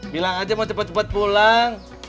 bilang aja mau cepet cepet pulang